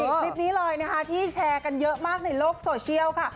อีกคลิปนี้ที่แชร์กันเยอะมากในโลกโซเชียล